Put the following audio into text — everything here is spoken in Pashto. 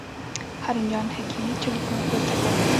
هارون جان حکیمي تیلفون پورته کړ.